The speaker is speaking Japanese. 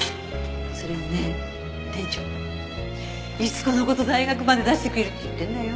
それにね店長逸子の事大学まで出してくれるって言ってるのよ。